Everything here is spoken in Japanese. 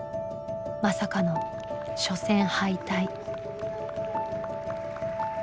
まさかの初戦敗退。